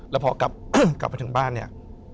แล้วพอกลับไปถึงบ้านเนี่ย